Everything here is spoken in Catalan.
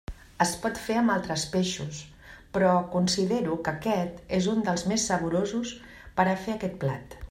Es pot fer amb altres peixos, però considero que aquest és un dels més saborosos per a fer aquest plat.